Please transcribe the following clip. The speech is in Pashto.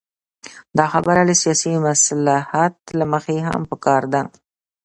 دا خبره له سیاسي مصلحت له مخې هم پکار ده.